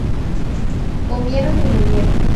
Comieron y bebieron.